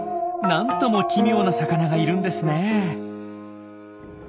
なんとも奇妙な魚がいるんですね。